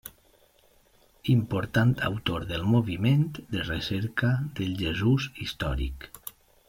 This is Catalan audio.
Important autor del moviment de recerca del Jesús històric.